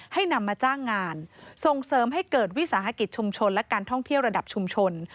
นำมาจ้างงานส่งเสริมให้เกิดวิสาหกิจชุมชนและการท่องเที่ยวระดับชุมชน